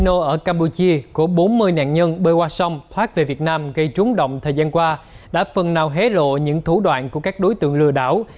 con đường đến với casino ở campuchia của bốn mươi nạn nhân bơi qua sông thoát về việt nam gây trúng động thời gian qua đã phần nào hé lộ những thủ đoạn của các đối tượng lừa đảo